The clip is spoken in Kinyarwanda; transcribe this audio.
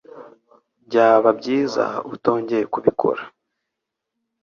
Byaba byiza utongeye kubikora.